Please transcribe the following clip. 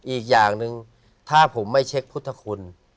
อีกอย่างหนึ่งถ้าผมไม่เช็คพุทธคุณ